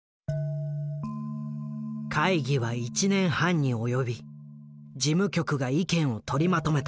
会議は１年半に及び事務局が意見を取りまとめた。